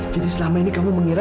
jadi selama ini kamu mengira